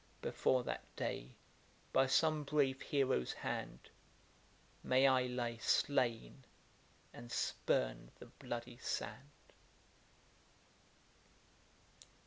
Before that day, by some brave hero's hand May I lie slain, and spurn the bloody sand.